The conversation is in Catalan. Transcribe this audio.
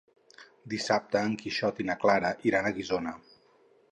Dissabte en Quixot i na Clara iran a Guissona.